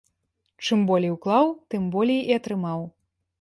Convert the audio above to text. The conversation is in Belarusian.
Чым болей уклаў, тым болей і атрымаў.